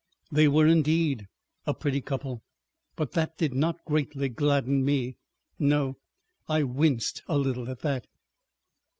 ... They were indeed a pretty couple, but that did not greatly gladden me. No—I winced a little at that.